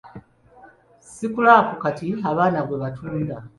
Sikulaapu kati abaana gwe batunda.